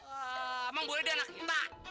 emang boleh deh anak kita